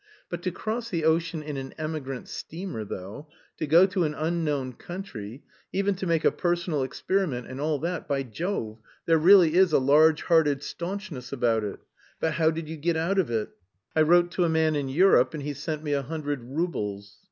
"But to cross the ocean in an emigrant steamer, though, to go to an unknown country, even to make a personal experiment and all that by Jove... there really is a large hearted staunchness about it.... But how did you get out of it?" "I wrote to a man in Europe and he sent me a hundred roubles."